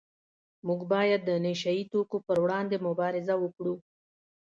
موږ باید د نشه یي توکو پروړاندې مبارزه وکړو